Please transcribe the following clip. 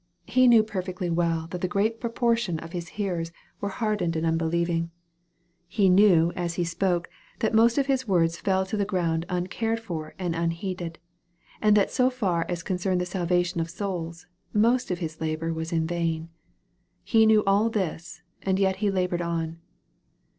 He knew perfectly well that the great proportion of His hearers were hardened and unbelieving. He knew, as He spoke, that most of His words fell to the ground uncared for and unheeded, and that so far as concerned the salvation of souls, most of His labor was in vain. He knew all this, and yet He labored on.